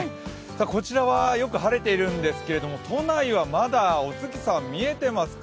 こちらはよく晴れているんですけれども、都内はまだお月さん見えていますか？